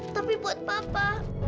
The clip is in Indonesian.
tapi buat papa